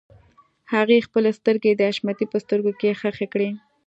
هغې خپلې سترګې د حشمتي په سترګو کې ښخې کړې.